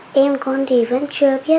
còn ông bà con thì lúc nào cũng bất việc